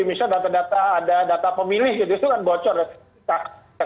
misalnya data data ada data pemilih gitu itu kan bocor